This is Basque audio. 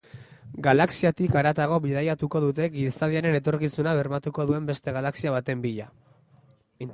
Galaxiatik haratago bidaiatuko dute gizadiaren etorkizuna bermatuko duen beste galaxia baten bila.